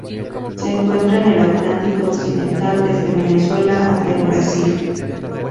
Se encuentra en el Atlántico occidental: desde Venezuela hasta el Brasil.